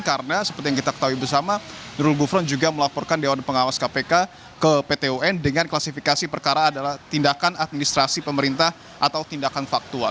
karena seperti yang kita ketahui bersama nurul gufron juga melaporkan dewan pengawas kpk ke ptun dengan klasifikasi perkara adalah tindakan administrasi pemerintah atau tindakan faktual